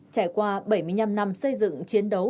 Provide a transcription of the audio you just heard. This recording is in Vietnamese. trải qua bảy mươi năm năm xây dựng chiến đấu